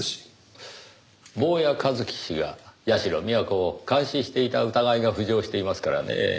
坊谷一樹氏が社美彌子を監視していた疑いが浮上していますからねぇ。